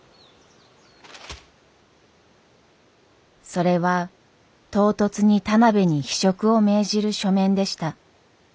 それは唐突に田邊に非職を命じる書面でした。